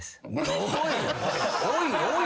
おいおい！